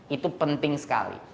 itu penting sekali